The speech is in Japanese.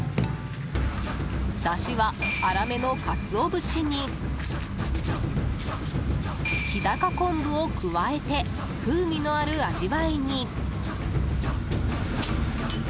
だしは、粗めのカツオ節に日高昆布を加えて風味のある味わいに。